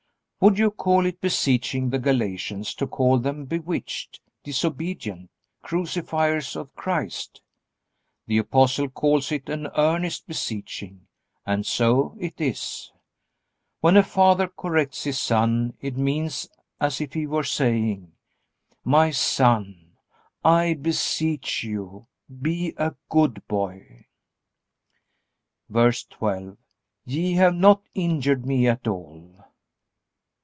Would you call it beseeching the Galatians to call them "bewitched," "disobedient," "crucifiers of Christ"? The Apostle calls it an earnest beseeching. And so it is. When a father corrects his son it means as if he were saying, "My son, I beseech you, be a good boy." VERSE 12. Ye have not injured me at all.